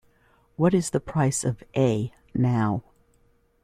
What is the price of "A" now?